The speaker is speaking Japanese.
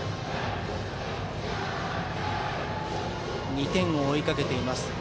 ２点を追いかけています、北海。